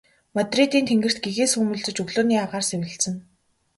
Мадридын тэнгэрт гэгээ сүүмэлзэж өглөөний агаар сэвэлзэнэ.